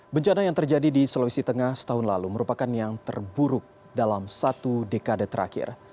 bencana yang terjadi di sulawesi tengah setahun lalu merupakan yang terburuk dalam satu dekade terakhir